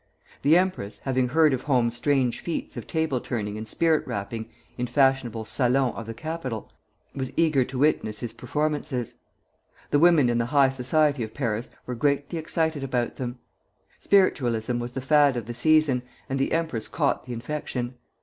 The empress, having heard of Home's strange feats of table turning and spirit rapping in fashionable salons of the capital, was eager to witness his performances. The women in the high society of Paris were greatly excited about them. Spiritualism was the fad of the season, and the empress caught the infection.